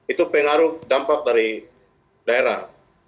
itu pengaruh dampak dari daerah